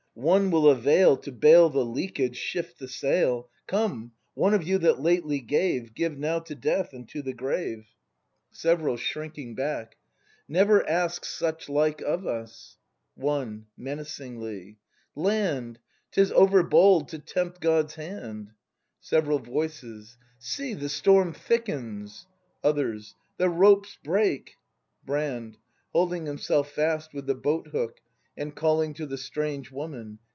] One will avail To bail the leakage, shift the sail; Come, one of you that lately gave; Give now to death and to the grave! 66 BRAND [act ii Several. [Shrinking bacJc.] Never ask such like of us ! One. [Menacingly.] Land! 'Tis overbold to tempt God's hand! Several Voices. See, the storm thickens! Others. The ropes break! Brand. [Holding himself fast with the boat hook, and calling to the strange Woman.